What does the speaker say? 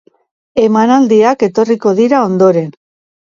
Emanaldiak etorriko dira ondoren.